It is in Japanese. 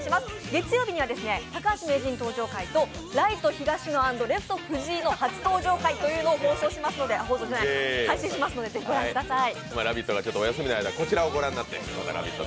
月曜日には高橋名人登場回とライト東野＆レフト藤井初登場回というのを配信しますのでぜひ御覧ください。